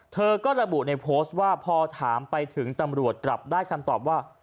เธอก็ระบุในโพสต์ว่าพอถามไปถึงตำรวจกลับได้คำตอบว่า